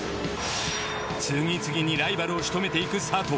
次々にライバルを仕留めていく佐藤。